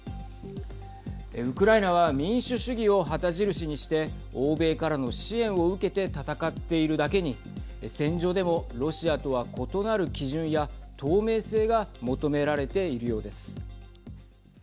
ウクライナは民主主義を旗印にして欧米からの支援を受けて戦っているだけに戦場でもロシアとは異なる基準や透明性が求められているようです。